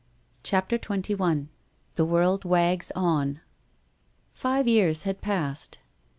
CHAPTER XXII. THE WOBLD WAGS ON. Five years had passed.